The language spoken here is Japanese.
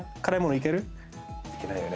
いけないよね。